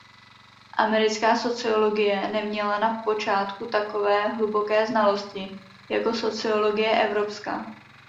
Americká sociologie neměla na počátku takové hluboké znalosti jako sociologie evropská.